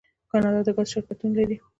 کاناډا د ګاز شرکتونه لري.